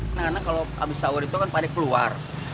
karena kalau habis sahur itu kan pada keluar